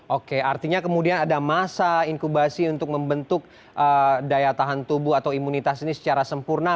oke artinya kemudian ada masa inkubasi untuk membentuk daya tahan tubuh atau imunitas ini secara sempurna